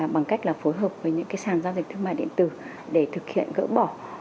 bằng cách là phối hợp với những cái sàn giao dịch thương mại điện tử để thực hiện gỡ bỏ